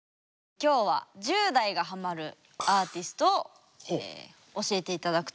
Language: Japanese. きょうは１０代がハマるアーティストを教えて頂くと。